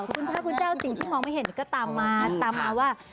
คุณพระคุณเจ้าสิ่งที่มองไม่เห็นก็ตามมาตามมาว่า